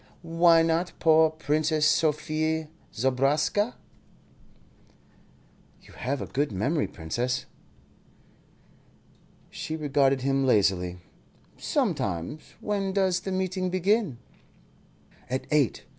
Why not poor Princess Sophie Zobraska?" "You have a good memory, Princess." She regarded him lazily. "Sometimes. When does the meeting begin?" "At eight.